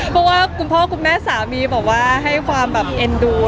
เพราะว่าคุณพ่อกุณแม่สามีให้ความเอ็นดู